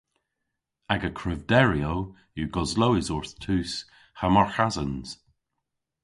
Aga krevderyow yw goslowes orth tus ha marghasans.